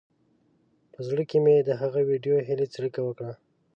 په زړه کې مې هغه وېډې هیلې څړیکه وکړه.